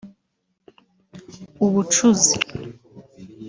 ubucuzi